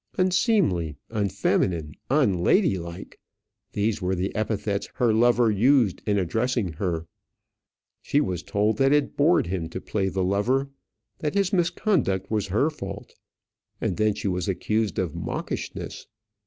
Unseemly, unfeminine, unladylike! These were the epithets her lover used in addressing her. She was told that it bored him to play the lover; that his misconduct was her fault; and then she was accused of mawkishness!